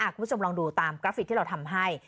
คุณผู้ชมลองดูตามกราฟิกที่เราทำให้